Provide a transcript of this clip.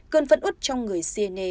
cơn phẫn út trong người siene